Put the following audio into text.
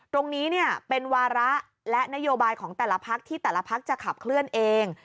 ตรงนี้เป็นวาระและนโยบายของแต่ละพักที่แต่ละพักจะขับเคลื่อนเอง